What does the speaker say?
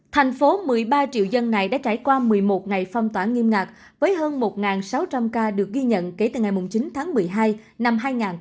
thành phố một mươi ba triệu dân này đã trải qua một mươi một ngày phong tỏa nghiêm ngặt với hơn một sáu trăm linh ca được ghi nhận kể từ ngày chín tháng một mươi hai năm hai nghìn một mươi ba